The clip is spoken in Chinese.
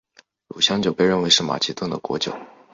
乳香酒被认为是马其顿的国酒。